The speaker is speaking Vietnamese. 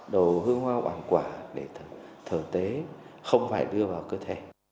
đồ hương hoa hoàng quả để thờ tết không phải đưa vào cơ thể